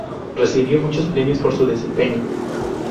Recibió muchos premios por su desempeño.